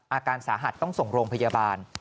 อาการสาหัสต้องส่งโรงพยาบาล